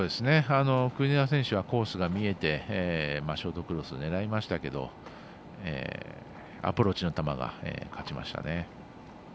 国枝選手はコースが見えてショートクロスを狙いましたけどアプローチの球が勝ちましたね。